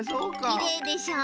きれいでしょ？